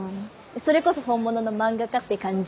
それこそ本物の漫画家って感じ。